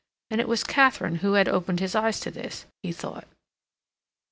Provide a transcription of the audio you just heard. And it was Katharine who had opened his eyes to this, he thought.